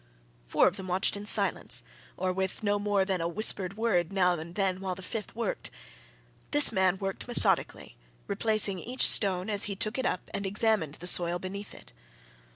Four of them watched in silence, or with no more than a whispered word now and then while the fifth worked. This man worked methodically, replacing each stone as he took it up and examined the soil beneath it.